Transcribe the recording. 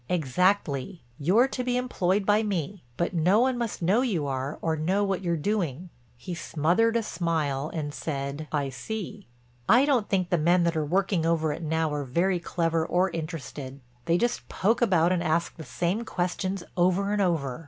"Exactly. You're to be employed by me but no one must know you are or know what you're doing." He smothered a smile and said: "I see." "I don't think the men that are working over it now are very clever or interested. They just poke about and ask the same questions over and over.